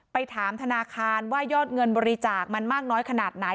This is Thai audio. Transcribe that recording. ไปถามธนาคารว่ายอดเงินบริจาคมันมากน้อยขนาดไหน